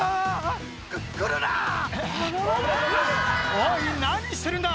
おい何してるんだ！